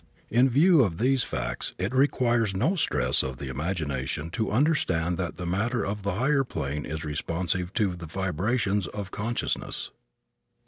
In view of these facts it requires no stress of the imagination to understand that the matter of the higher planes is responsive to the vibrations of consciousness.